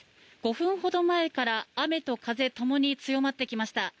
５分ほど前から雨と風ともに強まってきました。